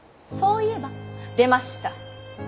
「そういえば」出ました。